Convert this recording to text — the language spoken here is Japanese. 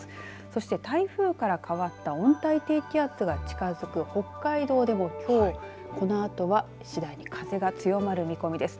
そして台風から変わった温帯低気圧が近づく北海道でも、きょうこのあとは次第に風が強まる見込みです。